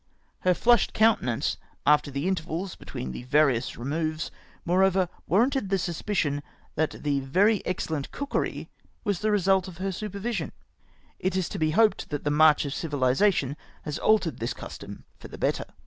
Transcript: Her flushed coun tenance after the intervals between the various removes, moreover, warranted the suspicion that the very excel lent cookery was the result of her supervision. It is to be hoped that the march of civilisation has altered this custom for the better.